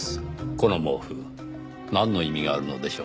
この毛布なんの意味があるのでしょう？